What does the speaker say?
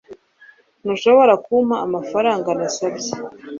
ntushobora kumpa amafaranga nasabye